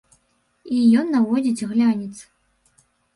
І ён наводзіць глянец.